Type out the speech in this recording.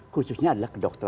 khususnya adalah kedokteran